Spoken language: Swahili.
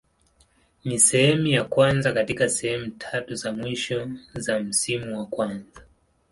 Ni sehemu ya kwanza katika sehemu tatu za mwisho za msimu wa kwanza.